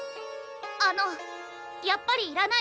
あのやっぱりいらないです。